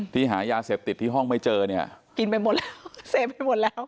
หายาเสพติดที่ห้องไม่เจอเนี่ยกินไปหมดแล้วเสพไปหมดแล้ว